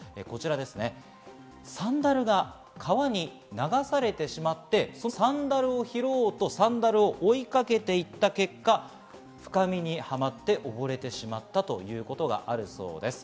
サンダルが川に流されてしまって、そのサンダルを拾おうとサンダルを追いかけていった結果、深みにはまって、おぼれてしまったということがあるそうです。